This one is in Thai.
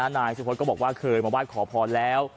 นายสุพธก็บอกว่าเคยมาไหว้ขอพรแล้ว